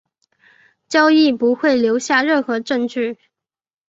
交易不会留下任何证据。